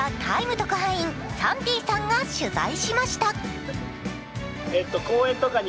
特派員サンティさんが取材しました。